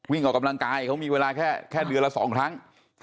ออกกำลังกายเขามีเวลาแค่เดือนละ๒ครั้ง